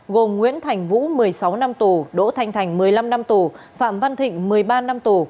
gồm nguyễn thành vũ một mươi sáu năm tù đỗ thanh thành một mươi năm năm tù phạm văn thịnh một mươi ba năm tù